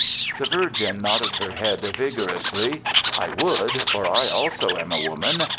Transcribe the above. The Virgin nodded her head vigorously. "I would, for I also am a woman.